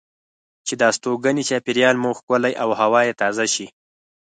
چې د استوګنې چاپیریال مو ښکلی او هوا یې تازه شي.